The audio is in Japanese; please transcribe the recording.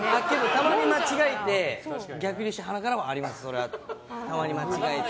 たまに間違えて逆流して鼻から出ることはあります。